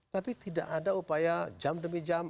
tapi tidak ada upaya jam demi jam